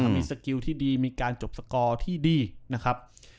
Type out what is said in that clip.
มีสกิลที่ดีมีการจบสกอร์ที่ดีนะครับ